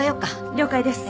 了解です。